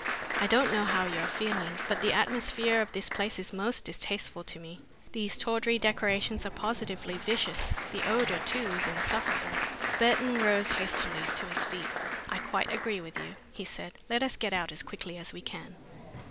I don't know how you are feeling, but the atmosphere of this place is most distasteful to me. These tawdry decorations are positively vicious. The odor, too, is insufferable." Burton rose hastily to his feet. "I quite agree with you," he said. "Let us get out as quickly as we can."